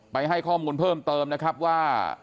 ให้ข้อมูลเพิ่มเติมนะครับว่า